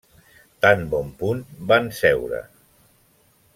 Tan bon punt van seure.